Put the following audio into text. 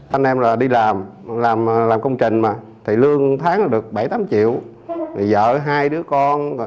anh em đi làm công trình lương tháng được bảy tám triệu vợ hai đứa con